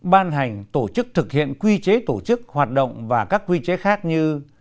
ban hành tổ chức thực hiện quy chế tổ chức hoạt động và các quy chế khác như